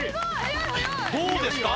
Ｈ鋼どうですか？